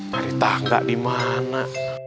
nyari tangga dimana